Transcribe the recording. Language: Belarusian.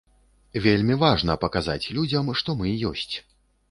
Вельмі важна паказаць людзям, што мы ёсць.